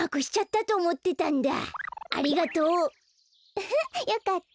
ウフッよかった。